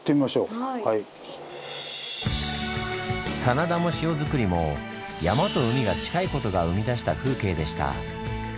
棚田も塩作りも山と海が近いことが生み出した風景でした。